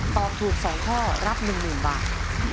ตอบถูก๒ข้อรับ๑๐๐๐บาท